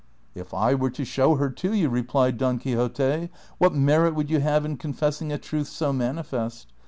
" If I were to show her to you," replied Don Quixote, " what merit would you have in confessing a truth so manifest